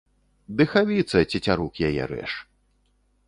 Дыхавіца, цецярук яе рэж.